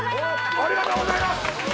おめでとうございます。